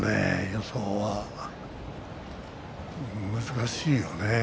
予想は難しいよね。